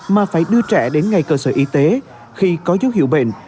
mà phải đưa trẻ đến ngay cơ sở y tế khi có dấu hiệu bệnh